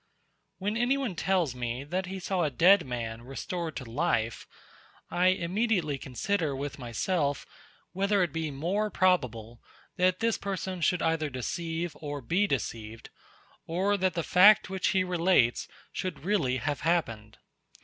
When anyone tells me, that he saw a dead man restored to life, I immediately consider with myself, whether it be more probable, that this person should either deceive or be deceived, or that the fact, which he relates, should really have happened.